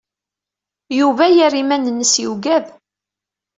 Yuba yerra iman-nnes yugad.